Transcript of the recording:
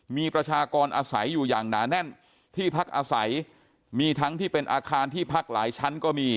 มีประชากรอาศัยอยู่อย่างหนาแน่นที่พักอาศัยมีทั้งที่เป็นอาคารที่พักหลายชั้นก็มี